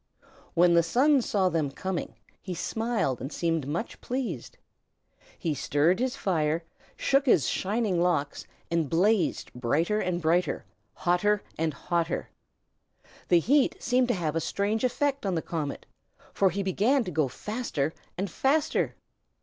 When the Sun saw them coming, he smiled and seemed much pleased. He stirred his fire, and shook his shining locks, and blazed brighter and brighter, hotter and hotter. The heat seemed to have a strange effect on the comet, for he began to go faster and faster.